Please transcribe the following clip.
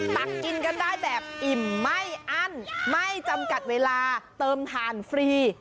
ตักกินกันได้แบบอิ่มไม่อั้นไม่จำกัดเวลาเติมทานฟรี